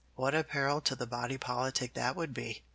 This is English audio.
What a peril to the body politic that would be!